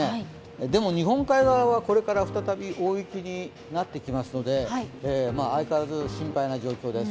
でも、日本海側はこれから再び大雪になってきますので、相変わらず心配な状況です。